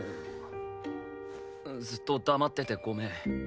ずっと黙っててごめん。